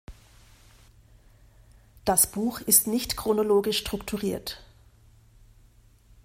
Das Buch ist nicht chronologisch strukturiert.